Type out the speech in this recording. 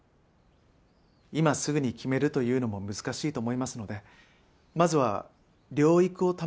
今すぐに決めるというのも難しいと思いますのでまずは療育を試してみませんか？